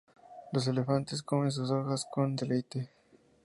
Los elefantes comen sus hojas con deleite.